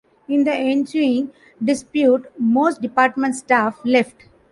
In the ensuing dispute most department staff left.